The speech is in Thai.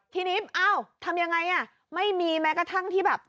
ทีนี้เอ้าทำยังไงไม่มีแม้กระทั่งที่แบบ